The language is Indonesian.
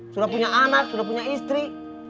sudah punya anak sudah punya istri